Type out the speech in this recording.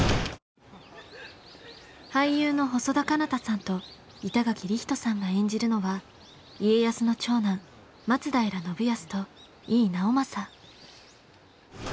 俳優の細田佳央太さんと板垣李光人さんが演じるのは家康の長男松平信康と井伊直政。